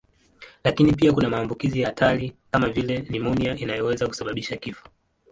Lakini pia kuna maambukizi ya hatari kama vile nimonia inayoweza kusababisha kifo.